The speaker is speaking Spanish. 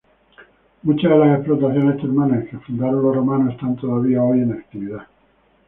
Muchas de las explotaciones termales que fundaron los romanos están todavía hoy en actividad.